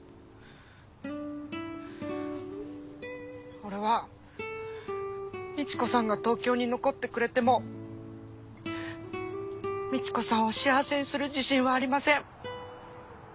俺はみち子さんが東京に残ってくれてもみち子さんを幸せにする自信はありません。